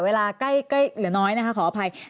เวลาใกล้เหลือน้อยนะคะขออภัย